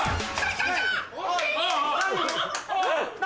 何？